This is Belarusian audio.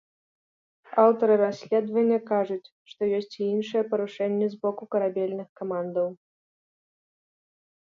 Аўтары расследавання кажуць, што ёсць і іншыя парушэнні з боку карабельных камандаў.